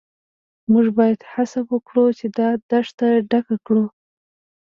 موږ باید هڅه وکړو چې دا تشه ډکه کړو